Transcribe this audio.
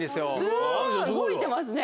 動いてますね。